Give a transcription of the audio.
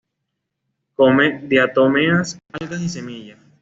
Come diatomeas, algas y semillas.